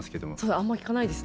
あんま聞かないですね。